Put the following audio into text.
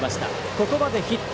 ここまでヒット